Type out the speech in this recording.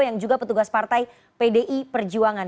yang juga petugas partai pdi perjuangan